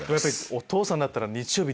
お父さんだったら日曜日